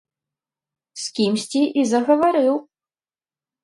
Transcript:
З кімсьці і загаварыў!